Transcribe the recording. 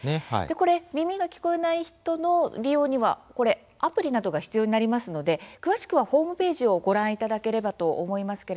これは耳が聞こえない人の利用にはアプリなどが必要になりますので、詳しくはホームページなどをご覧いただければと思います。